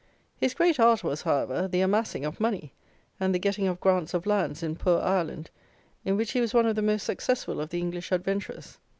His great art was, however, the amassing of money, and the getting of grants of lands in poor Ireland, in which he was one of the most successful of the English adventurers.